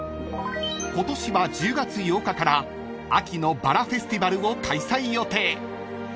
［今年は１０月８日から秋のバラフェスティバルを開催予定］